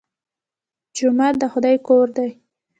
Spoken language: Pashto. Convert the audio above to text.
جومات د خدای کور دی